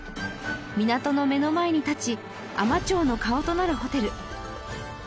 港の目の前にたち海士町の顔となるホテル